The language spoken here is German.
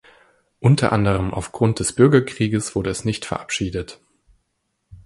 Unter anderem aufgrund des Bürgerkrieges wurde es nicht verabschiedet.